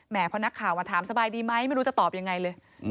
เพราะนักข่าวมาถามสบายดีไหมไม่รู้จะตอบยังไงเลย